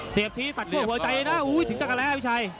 เสียบถี้ตัดพวนหัวใจนะ